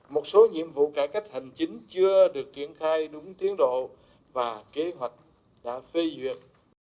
một số nhiệm vụ cải cách hành chính chưa được triển khai đúng tiến độ và kế hoạch đã phê duyệt